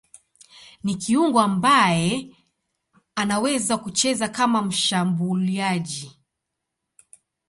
Ni kiungo ambaye anaweza kucheza kama mshambuliaji.